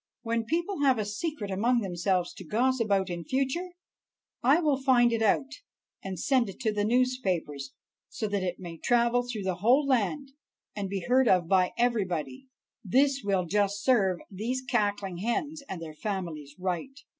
When people have a secret among themselves to gossip about in future, I will find it out, and send it to the newspapers, so that it may travel through the whole land and be heard of by everybody. "This will just serve these cackling hens and their families right."